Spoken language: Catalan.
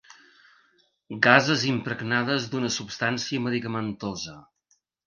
Gases impregnades d'una substància medicamentosa.